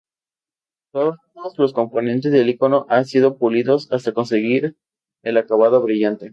Todos los componentes del icono ha sido pulidos hasta conseguir un acabado brillante.